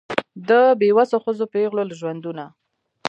د بېوسو ښځو پېغلو له ژوندونه